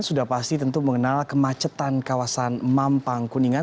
sudah pasti tentu mengenal kemacetan kawasan mampang kuningan